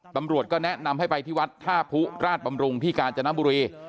ตำรวจก็แนะนำให้ไปที่วัดท่าผู้ราชบำรุงที่กาญจนบุรี